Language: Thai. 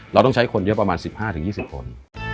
เราต้องใช้คนเยอะประมาณ๑๕๒๐คน